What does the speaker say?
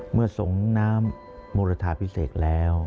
เมื่อสงน้ำมรทาพิเศษแล้ว